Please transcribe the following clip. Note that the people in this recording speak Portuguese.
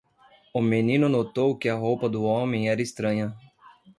O menino notou que a roupa do homem era estranha.